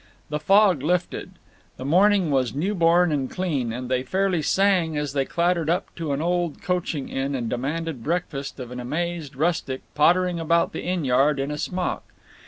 The fog lifted. The morning was new born and clean, and they fairly sang as they clattered up to an old coaching inn and demanded breakfast of an amazed rustic pottering about the inn yard in a smock.